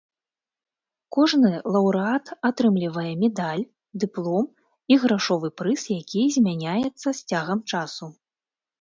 Кожны лаўрэат атрымлівае медаль, дыплом і грашовы прыз, які змяняецца з цягам часу.